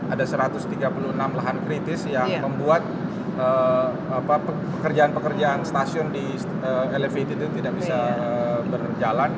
ada satu ratus tiga puluh enam lahan kritis yang membuat pekerjaan pekerjaan stasiun di elevated itu tidak bisa berjalan